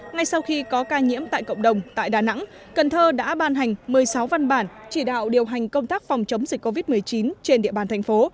ngay sau khi có ca nhiễm tại cộng đồng tại đà nẵng cần thơ đã ban hành một mươi sáu văn bản chỉ đạo điều hành công tác phòng chống dịch covid một mươi chín trên địa bàn thành phố